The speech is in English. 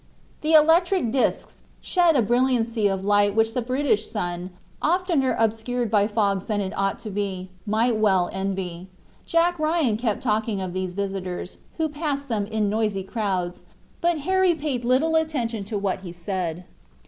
The electric discs shed a brilliancy of light which the British sun, oftener obscured by fogs than it ought to be, might well envy. Jack Ryan kept talking of these visitors, who passed them in noisy crowds, but Harry paid very little attention to what he said.